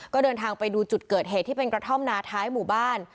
ก็เดินทางไปดูจุดเกิดเหตุที่เป็นกระท่อมนาท้ายหมู่บ้าน